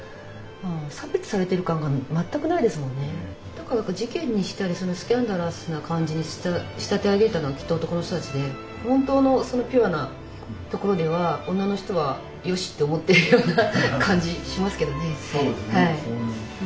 だから事件にしたりそのスキャンダラスな感じに仕立て上げたのはきっと男の人たちで本当のそのピュアなところでは女の人は「よし！」と思ってるような感じしますけどね。